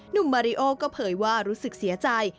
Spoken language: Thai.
มาริโอก็เผยว่ารู้สึกเสียใจ